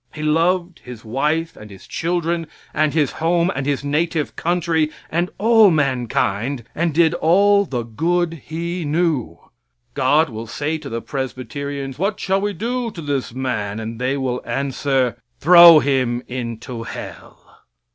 He loved his wife and his children and his Home and his native country and all mankind, and did all the good he knew. God will say to the Presbyterians, "What shall We do to this man?"; and they will answer, "Throw him into hell."